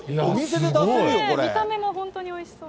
見た目も本当においしそう。